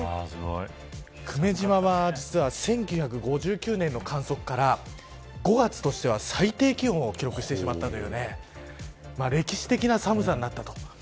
久米島は実は１９５９年の観測から５月としては最低気温を記録してしまったという歴史的な寒さになったと。